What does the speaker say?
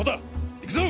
行くぞ！